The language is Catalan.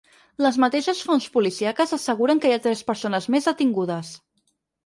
Les mateixes fonts policíaques asseguren que hi ha tres persones més detingudes.